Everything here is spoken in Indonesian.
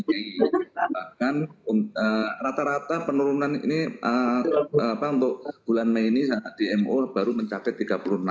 bahkan rata rata penurunan ini apa untuk bulan mei ini dmo baru mencapai tiga puluh enam delapan ratus sebelas